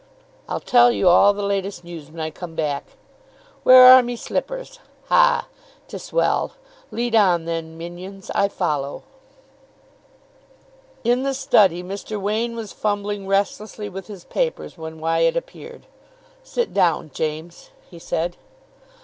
"I'll tell you all the latest news when I come back. Where are me slippers? Ha, 'tis well! Lead on, then, minions. I follow." In the study Mr. Wain was fumbling restlessly with his papers when Wyatt appeared. "Sit down, James," he said.